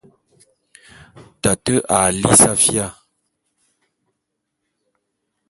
Tate a lí safía.